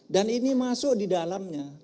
dan ini masuk di dalamnya